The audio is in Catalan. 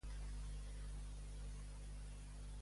Què els passava als desventurats?